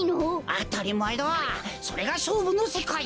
あたりまえだそれがしょうぶのせかい！